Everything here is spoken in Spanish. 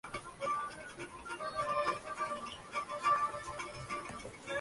En algunas alucinaciones se ve como invitada del programa de televisión.